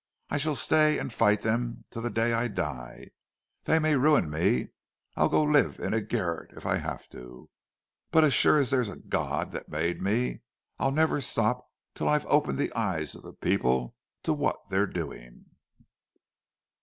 I shall stay and fight them till the day I die! They may ruin me,—I'll go and live in a garret if I have to,—but as sure as there's a God that made me, I'll never stop till I've opened the eyes of the people to what they're doing!"